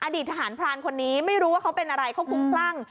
อดีตทหารพรานคนนี้ไม่รู้ว่าเขาเป็นอะไรเขาคุ้มคลั่ง